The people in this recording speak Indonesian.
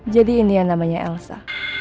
ini yang namanya elsa